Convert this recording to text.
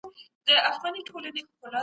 نا هیلي د ایمان ضد ده.